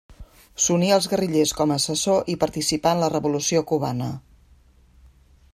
S'uní als guerrillers com a assessor i participà en la Revolució Cubana.